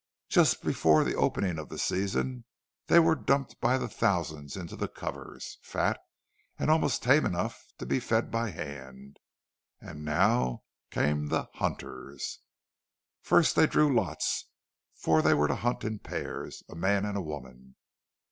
Just before the opening of the season they were dumped by thousands into the covers—fat, and almost tame enough to be fed by hand; and now came the "hunters." First they drew lots, for they were to hunt in pairs, a man and a woman.